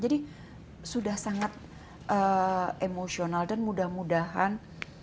jadi sudah sangat emosional dan mudah mudahan